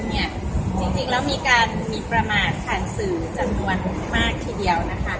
จริงแล้วมีการมีประมาทผ่านสื่อจำนวนมากทีเดียวนะคะ